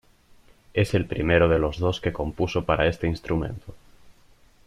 Es el primero de los dos que compuso para este instrumento.